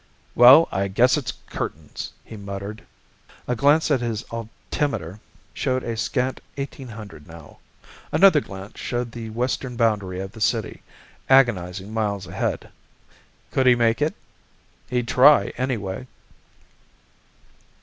"Well, I guess it's curtains!" he muttered. A glance at his altimeter showed a scant eighteen hundred now. Another glance showed the western boundary of the city, agonizing miles ahead. Could he make it? He'd try, anyway!